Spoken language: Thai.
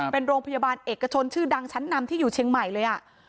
เป็นโรงพยาบาลเอกชนชื่อดังชั้นนำที่อยู่เชียงใหม่เลย